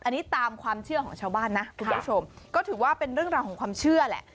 อันนี้ตามความเชื่อของชาวบ้านนะคุณผู้ชมก็ถือว่าเป็นเรื่องราวของความเชื่อแหละ